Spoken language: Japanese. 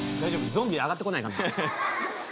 ゾンビ上がってこないかな？